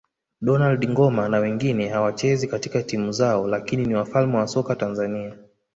Donald Ngoma na wengine hawachezi katika timu zao lakini ni wafalme wa soka Tanzania